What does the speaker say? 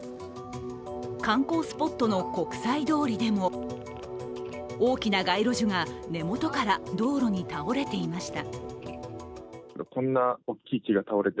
観光スポットの国際通りでも大きな街路樹が根元から道路に倒れていました。